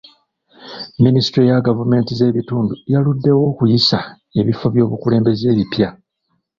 Minisitule ya gavumenti z'ebitundu yaluddewo okuyisa ebifo by'obukulembeze ebipya.